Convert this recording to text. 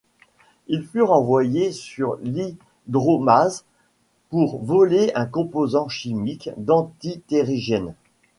Ils furent envoyés sur l'Hydro-Base pour voler un composant chimique d'Anti-Terrigène.